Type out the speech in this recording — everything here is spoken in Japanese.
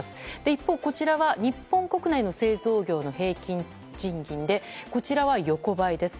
一方、こちらは日本国内の製造業の平均賃金で、こちらは横ばいです。